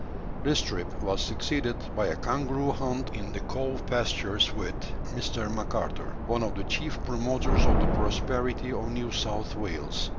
This trip was succeeded by a kangaroo hunt in the cow pastures with Mr. Macarthur, one of the chief promoters of the prosperity of New South Wales.